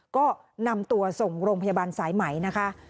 ก็นำตัวส่งโรงพยาบาลสายไหมนะคะ